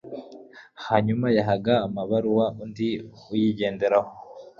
Hanyuma yahaga amabaruwa undi uyigenderaho